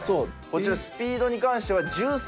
こちらスピードに関しては。